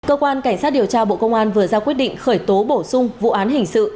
cơ quan cảnh sát điều tra bộ công an vừa ra quyết định khởi tố bổ sung vụ án hình sự